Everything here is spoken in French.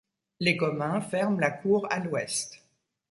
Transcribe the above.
Les communs ferment la cour à l´ouest.